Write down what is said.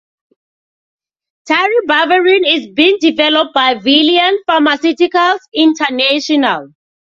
Taribavirin is being developed by Valeant Pharmaceuticals International.